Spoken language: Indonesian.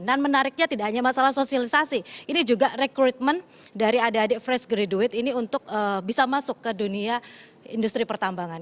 dan menariknya tidak hanya masalah sosialisasi ini juga rekrutmen dari adik adik fresh graduate ini untuk bisa masuk ke dunia industri pertambangan